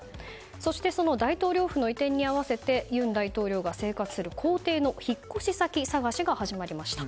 そしてその大統領府の移転に合わせて尹大統領が生活する公邸の引っ越し先探しが始まりました。